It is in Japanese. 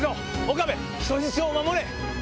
岡部人質を守れ！